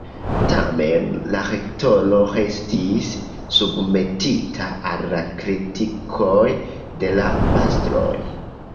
Tamen, la rektoro restis submetita al la kritikoj de la pastroj.